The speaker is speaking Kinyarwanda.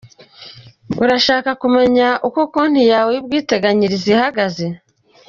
Urasha kumenya uko konti yawe y’ubwiteganyirize ihagaze?.